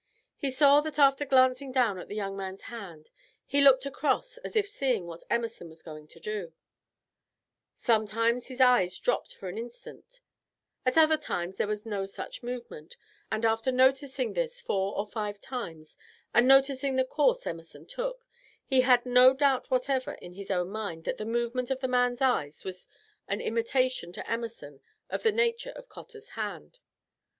He saw that after glancing down at the young man's hand he looked across as if seeing what Emerson was going to do; sometimes his eyes dropped for an instant, at other times there was no such movement, and after noticing this four or five times, and noticing the course Emerson took, he had no doubt whatever in his own mind that the movement of the man's eyes was an intimation to Emerson of the nature of Cotter's hand.